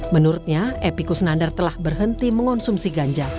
menurutnya epi kusnandar telah berhenti mengonsumsi ganja